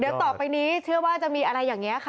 เดี๋ยวต่อไปนี้เชื่อว่าจะมีอะไรอย่างนี้ค่ะ